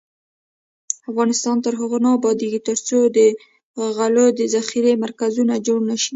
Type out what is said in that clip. افغانستان تر هغو نه ابادیږي، ترڅو د غلو د ذخیرې مرکزونه جوړ نشي.